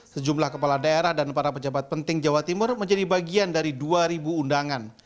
sejumlah kepala daerah dan para pejabat penting jawa timur menjadi bagian dari dua ribu undangan